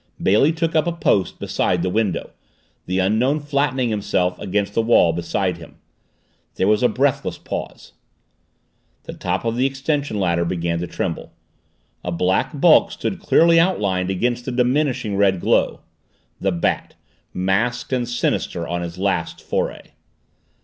Bailey took up a post beside the window, the Unknown flattening himself against the wall beside him. There was a breathless pause. The top of the extension ladder began to tremble. A black bulk stood clearly outlined against the diminishing red glow the Bat, masked and sinister, on his last foray!